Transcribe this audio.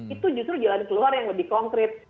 itu justru jalan keluar yang lebih konkret